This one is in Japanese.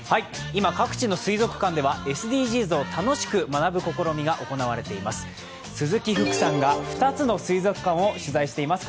今、各地の水族館ではＳＤＧｓを楽しく学ぶ試みが行われています。